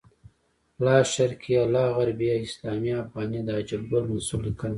لاشرقیه لاغربیه اسلامیه افغانیه د عجب ګل منصور لیکنه ده